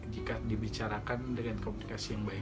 jika dibicarakan dengan komunikasi yang baik